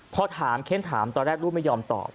พอถามเค้นถามตอนแรกลูกไม่ยอมตอบ